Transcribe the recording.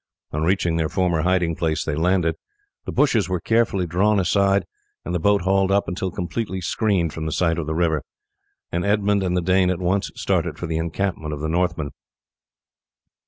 On reaching their former hiding place, they landed. The bushes were carefully drawn aside, and the boat hauled up until completely screened from sight of the river, and Edmund and the Dane at once started for the encampment of the Northmen.